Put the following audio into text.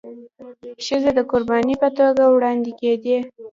ښځي د قرباني په توګه وړاندي کيدي.